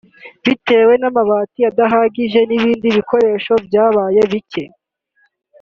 bitewe n’amabati adahagije n’ibindi bikoresho byabaye bike